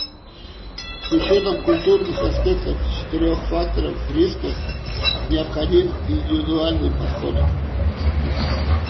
С учетом культурных аспектов четырех факторов риска необходим индивидуальный подход.